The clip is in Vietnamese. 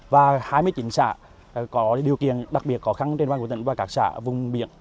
và hai mươi chín xã có điều kiện đặc biệt khó khăn trên địa bàn của tỉnh và các xã vùng biển